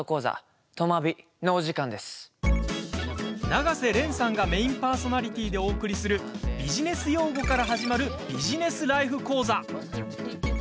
永瀬廉さんがメインパーソナリティーでお送りする、ビジネス用語から始まるビジネスライフ講座。